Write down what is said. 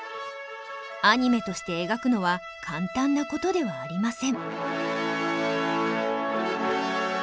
アニメとして描くのは簡単なことではありません。